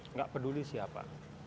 nggak peduli siapa